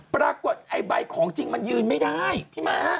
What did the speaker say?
ปรากฏไอ้ใบของจริงมันยืนไม่ได้พี่ม้า